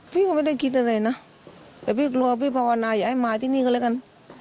พี่ก็ไม่ได้คิดอะไรนะแต่พี่กลัวพี่ภาวนาอยากให้มาที่นี่ก็แล้วกัน